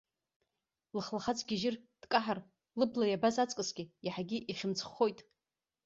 Лыхлахаҵ гьежьыр, дкаҳар, лыбла иабаз аҵкысгьы, иаҳагьы ихьымӡӷхоит.